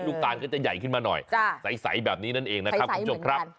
ตาลก็จะใหญ่ขึ้นมาหน่อยใสแบบนี้นั่นเองนะครับคุณผู้ชมครับ